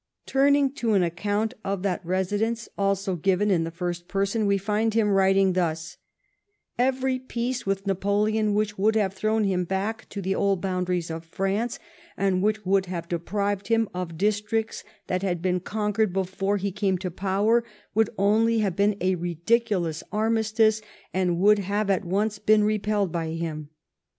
Turning to an account of that residence, also given in the first person, we find him writing thus :" Every peace with Napoleon which would have thrown him back to the old boundaries of France, and which would have deprived liiiu of districts tliat had been conquered before he came to power, would only have been a ridiculous armistice, and would Iiave at once been repelled by him.